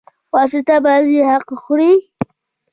واسطه بازي حق خوري.